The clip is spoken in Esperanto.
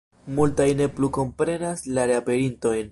Multaj ne plu komprenas la reaperintojn.